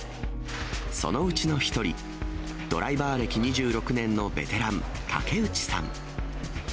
そのうちの１人、ドライバー歴２６年のベテラン、竹内さん。